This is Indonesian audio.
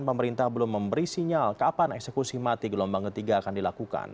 pemerintah belum memberi sinyal kapan eksekusi mati gelombang ketiga akan dilakukan